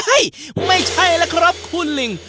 เฮ้ยไม่ใช่หรอครับคุณลิ้ง